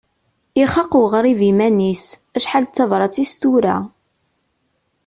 Ixaq uɣrib iman-is, acḥal d tabrat i as-tura.